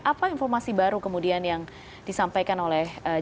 apa informasi baru kemudian yang disampaikan oleh dr